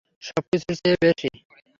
সবকিছুর চেয়ে বেশী!